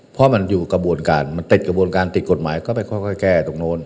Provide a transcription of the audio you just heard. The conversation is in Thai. เพราะมันอยู่กระบวนการมันติดกระบวนการติดกฎหมายก็ไปค่อยแก้ตรงโน้น